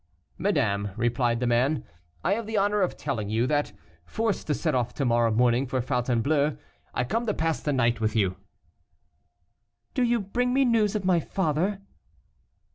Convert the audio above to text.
"Madame," replied the man, "I have the honor of telling you that, forced to set off to morrow morning for Fontainebleau, I come to pass the night with you." "Do you bring me news of my father?"